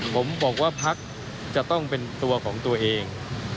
ผมบอกว่าพักจะต้องเป็นตัวของตัวเอง